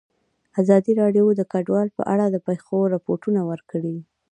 ازادي راډیو د کډوال په اړه د پېښو رپوټونه ورکړي.